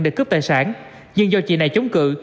để cướp tài sản nhưng do chị này chống cự